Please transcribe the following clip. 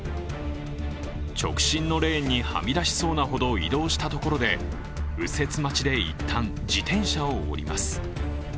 直進のレーンにはみ出しそうなほど移動したところで右折待ちで一旦、自転車を降ります。